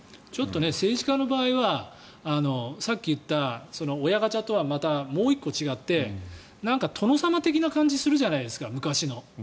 政治家の場合はさっき言った親ガチャとはもう１個違って昔の殿様的な感じがするじゃないですか。